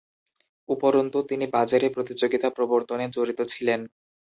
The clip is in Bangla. উপরন্তু, তিনি বাজারে প্রতিযোগিতা প্রবর্তনে জড়িত ছিলেন।